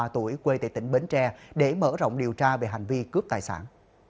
ba mươi tuổi quê tại tỉnh bến tre để mở rộng điều tra về hành vi cướp tài sản